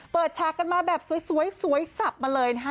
เปิดชากันมาแบบสวยสับมาเลยค่ะ